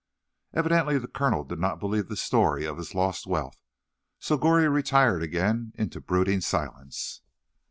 Evidently the colonel did not believe the story of his lost wealth; so Goree retired again into brooding silence.